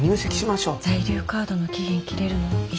在留カードの期限切れるのいつ？